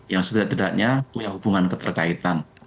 yang setidaknya punya hubungan keterkaitan